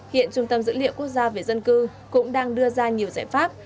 hiện trung tâm dữ liệu quốc gia về dân cư cũng đang đưa ra nhiều giải pháp